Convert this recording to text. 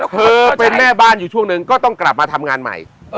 เธอเป็นแม่บ้านอยู่ช่วงหนึ่งก็ต้องกลับมาทำงานใหม่